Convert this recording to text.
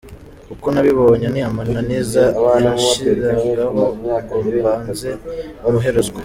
Uko nabibonye ni amananiza yanshyiragaho ngo mbanze muhe ruswa”.